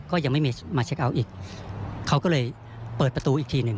ก็ยังไม่มีมาเช็คเอาท์อีกเขาก็เลยเปิดประตูอีกทีหนึ่ง